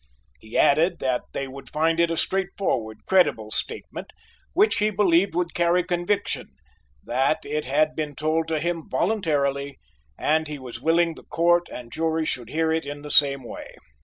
He added that they would find it a straightforward, credible statement which he believed would carry conviction; that it had been told to him voluntarily, and he was willing the Court and jury should hear it in the same way.